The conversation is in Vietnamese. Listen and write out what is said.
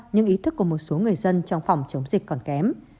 nhưng ý thức của một số người dân trong phòng chống dịch còn kém